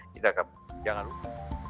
kita akan jangan lupa